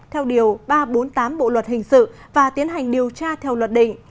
theo điều ba trăm bốn mươi tám bộ luật hình sự và tiến hành điều tra theo luật định